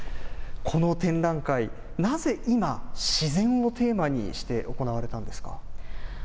この展覧会、なぜ今、自然をテーマにして行われたんですか。